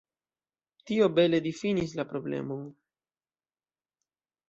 Tio bele difinis la problemon.